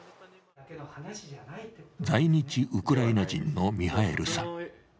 在日ウクライナ人のミハエルさん。